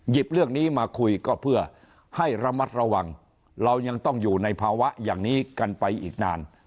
เรื่องนี้มาคุยก็เพื่อให้ระมัดระวังเรายังต้องอยู่ในภาวะอย่างนี้กันไปอีกนาน